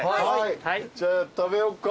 じゃあ食べよっか。